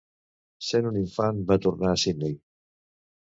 Sent un infant va tornar a Sydney.